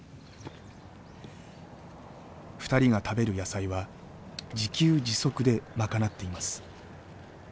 ２人が食べる野菜は自給自足で賄っています。